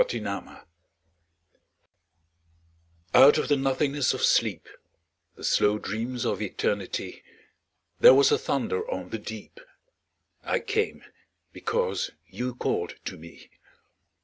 The Call Out of the nothingness of sleep, The slow dreams of Eternity, There was a thunder on the deep: I came, because you called to me.